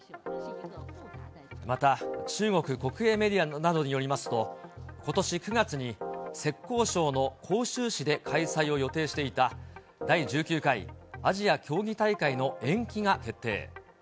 また、中国国営メディアなどによりますと、ことし９月に、浙江省の杭州市で開催を予定していた、第１９回アジア競技大会の延期が決定。